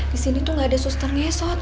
disini tuh gak ada suster ngesot